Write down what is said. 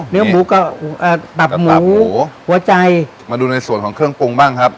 เนื้อหมูก็อ่าตับหัวใจมาดูในส่วนของเครื่องปรุงบ้างครับ